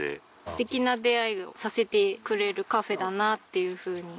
素敵な出会いをさせてくれるカフェだなっていうふうに。